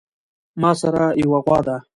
ماسره يوه غوا ده